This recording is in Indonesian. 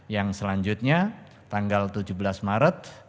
yang selanjutnya tanggal tujuh belas maret